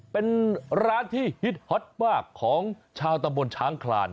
เป็นร้านที่ฮิตฮอตมากของชาวตำบลช้างคลาน